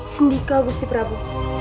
sendika gusti prabu